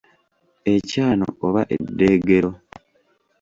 Ekyano oba eddeegero.